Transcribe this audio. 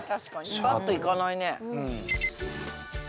シャっと行かないね。